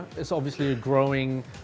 itu adalah hobi yang berkembang